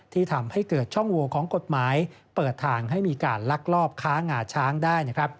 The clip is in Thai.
ที่ทำให้เกิดช่องโวของกฎหมายเปิดทางให้มีการลักลอบค้างาช้างได้